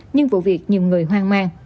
nhưng vụ việc nhiều người hoang mang